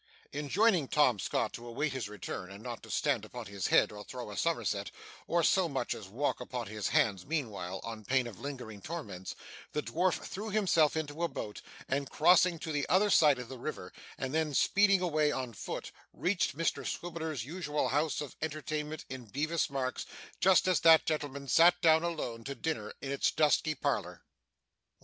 Enjoining Tom Scott to await his return, and not to stand upon his head, or throw a summerset, or so much as walk upon his hands meanwhile, on pain of lingering torments, the dwarf threw himself into a boat, and crossing to the other side of the river, and then speeding away on foot, reached Mr Swiveller's usual house of entertainment in Bevis Marks, just as that gentleman sat down alone to dinner in its dusky parlour.